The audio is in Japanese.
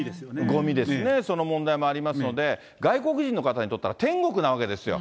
ごみですね、その問題もありますので、外国人の方にとったら、天国なわけですよ。